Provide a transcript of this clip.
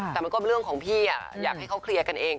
แต่มันก็เป็นเรื่องของพี่อยากให้เขาเคลียร์กันเอง